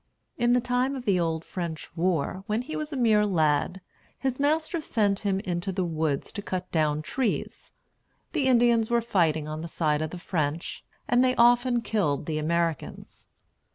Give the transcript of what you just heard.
In the time of the old French war, when he was a mere lad, his master sent him into the woods to cut down trees. The Indians were fighting on the side of the French, and they often killed the Americans.